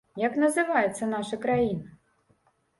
Як называецца наша краіна?